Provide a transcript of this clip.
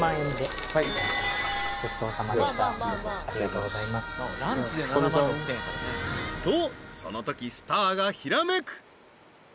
［とそのときスターがひらめく］